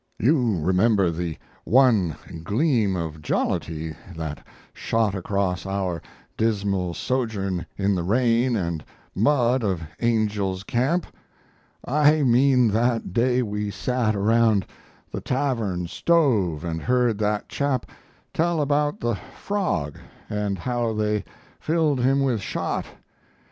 You remember the one gleam of jollity that shot across our dismal sojourn in the rain and mud of Angel's Camp I mean that day we sat around the tavern stove and heard that chap tell about the frog and how they filled him with shot.